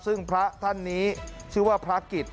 ซึ่งพระท่านนี้ชื่อว่าพระกิจ